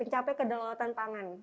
mencapai ke dalau tanpangan